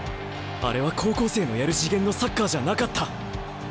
あれは高校生のやる次元のサッカーじゃなかった！